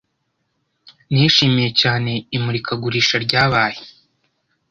Nishimiye cyane imurikagurisha ryabaye.